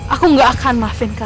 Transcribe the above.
aku gak akan maafin kamu